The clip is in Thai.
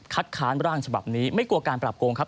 ค้านร่างฉบับนี้ไม่กลัวการปรับโกงครับ